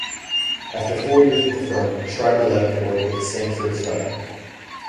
After four years with the firm, Schreiber left to work with Sandford Fleming.